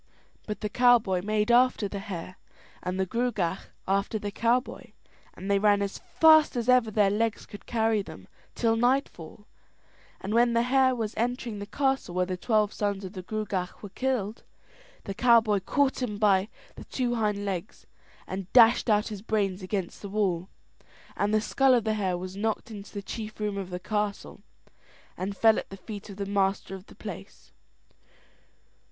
But the cowboy made after the hare, and the Gruagach after the cowboy, and they ran as fast as ever their legs could carry them till nightfall; and when the hare was entering the castle where the twelve sons of the Gruagach were killed, the cowboy caught him by the two hind legs and dashed out his brains against the wall; and the skull of the hare was knocked into the chief room of the castle, and fell at the feet of the master of the place.